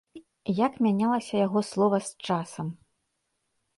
Як мянялася яго слова з часам?